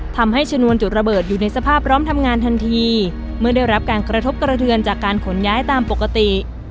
ชนวนจุดระเบิดอยู่ในสภาพพร้อมทำงานทันทีเมื่อได้รับการกระทบกระเทือนจากการขนย้ายตามปกติ